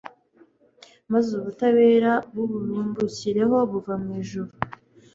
maze ubutabera bubururukireho buva mu ijuru